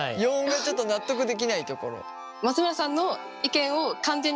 ４のちょっと納得できないところ。